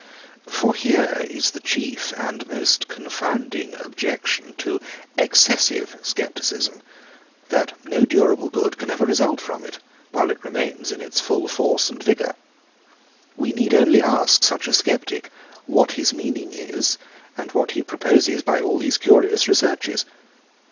128. For here is the chief and most confounding objection to excessive scepticism, that no durable good can ever result from it; while it remains in its full force and vigour. We need only ask such a sceptic, _What his meaning is? And what he proposes by all these curious researches?